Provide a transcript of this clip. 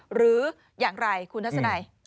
หรืออย่างไรคุณทัศนัย